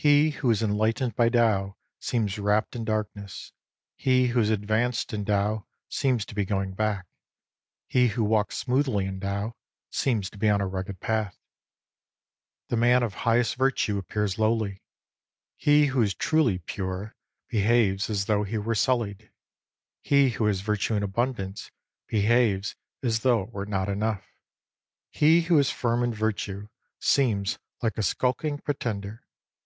He who is enlightened by Tao seems wrapped in darkness. He who is advanced in Tao seems to be going back. He who walks smoothly in Tao seems to be on a rugged path. The man of highest virtue appears lowly. He who is truly pure behaves as though he were sullied. He who has virtue in abundance behaves as though it were not enough. He who is firm in virtue seems like a skulking pretender.